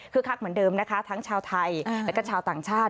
คือคักเหมือนเดิมนะคะทั้งชาวไทยและก็ชาวต่างชาติ